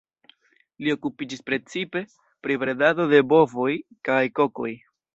Li okupiĝis precipe pri bredado de bovoj kaj kokoj.